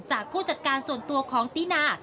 ผู้จัดการส่วนตัวของตินา